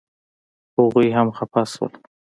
هغوی هم خپه شول.